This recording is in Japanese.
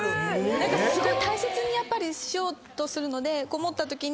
何かすごい大切にやっぱりしようとするので。